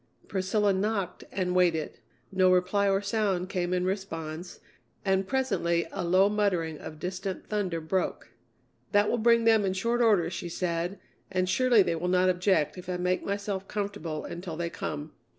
Priscilla knocked and waited. No reply or sound came in response, and presently a low muttering of distant thunder broke. "That will bring them in short order," she said, "and surely they will not object if I make myself comfortable until they come."